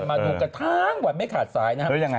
มาดูกันทั้งวันไม่ขาดสายนะครับ